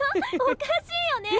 おかしいよね。